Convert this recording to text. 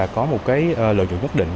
có một lợi dụng nhất định